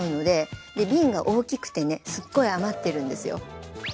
で瓶が大きくてねすっごい余ってるんですよ。